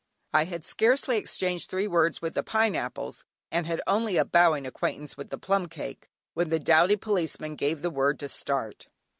I had scarcely exchanged three words with the pineapples, and had only a bowing acquaintance with the plum cake, when the doughty Policeman gave the word to start.